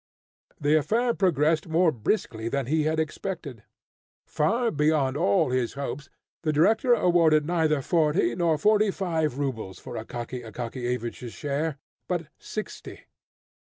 The affair progressed more briskly than he had expected. For beyond all his hopes, the director awarded neither forty nor forty five rubles for Akaky Akakiyevich's share, but sixty.